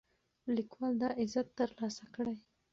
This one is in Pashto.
لیکوال دا عزت ترلاسه کړی.